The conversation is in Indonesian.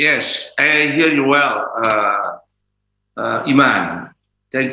ya saya dengar anda dengan baik